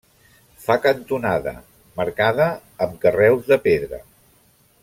Fa cantonada, marcada amb carreus de pedra.